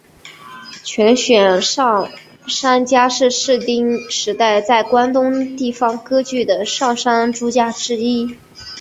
犬悬上杉家是室町时代在关东地方割据的上杉氏诸家之一。